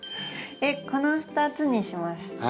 この２つにします。